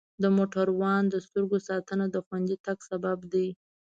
د موټروان د سترګو ساتنه د خوندي تګ سبب دی.